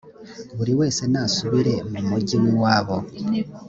buri wese nasubire mu mugi w’iwabo